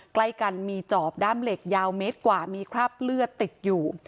ใกล้กันมีจอบด้ามเหล็กยาวเมตรกว่ามีคราบเลือดติดอยู่